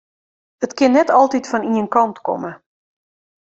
It kin net altyd fan ien kant komme.